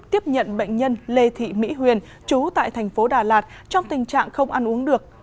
tiếp nhận bệnh nhân lê thị mỹ huyền chú tại thành phố đà lạt trong tình trạng không ăn uống được